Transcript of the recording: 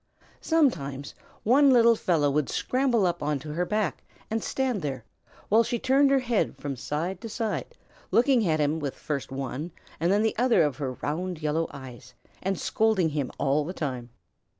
Sometimes one little fellow would scramble up on to her back and stand there, while she turned her head from side to side, looking at him with first one and then the other of her round yellow eyes, and scolding him all the time.